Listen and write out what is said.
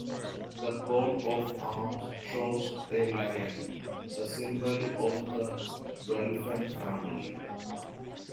The coat of arms show a Lion, the symbol of the Welfen family.